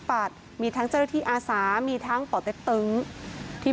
พ่อแม่มาเห็นสภาพศพของลูกร้องไห้กันครับขาดใจ